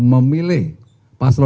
dan seluruh followernya